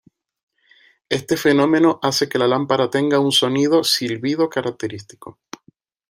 Este fenómeno hace que la lámpara tenga un sonido 'silbido' característico.